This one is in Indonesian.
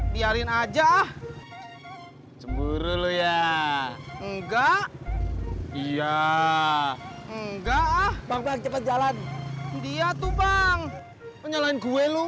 biarin aja cemburu ya enggak iya enggak cepet jalan dia tuh bang penyalahin gue